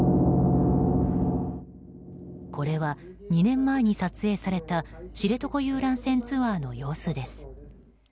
これは２年前に撮影された知床遊覧船ツアーの様子です。